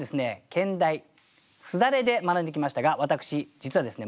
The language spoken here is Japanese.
兼題「簾」で学んできましたが私実はですね